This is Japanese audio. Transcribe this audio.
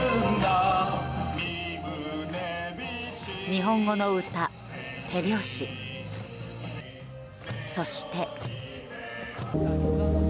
日本語の歌、手拍子そして。